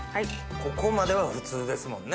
ここまでは普通ですもんね。